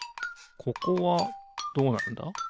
ここはどうなるんだ？